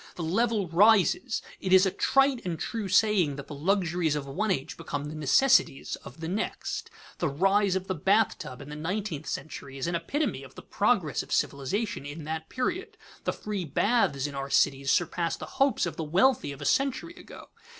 The level rises; it is a trite and true saying that the luxuries of one age become the necessities of the next. The rise of the bath tub in the nineteenth century is an epitome of the progress of civilization in that period. The free baths in our cities surpass the hopes of the wealthy of a century ago.